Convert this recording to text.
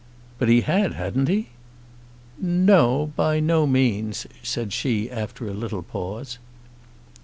"But he had; hadn't he?" "No; by no means," said she after a little pause.